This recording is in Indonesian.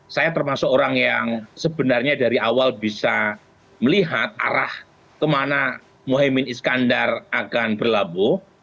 saya termasuk orang yang sebenarnya dari awal bisa melihat arah kemana mohaimin iskandar akan berlabuh